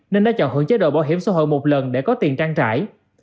nên đã chọn hưởng chế độ bảo hiểm xã hội một lần để có tiền trang trải